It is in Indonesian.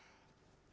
nanti aku akan tanya